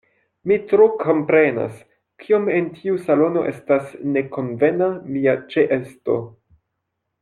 Mi tro komprenas, kiom en tiu salono estas nekonvena mia ĉeesto.